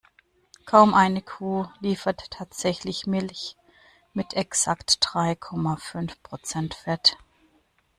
Kaum eine Kuh liefert tatsächlich Milch mit exakt drei Komma fünf Prozent Fett.